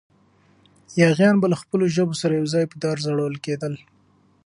یاغیان به له خپلو ژبو سره یو ځای په دار ځړول کېدل.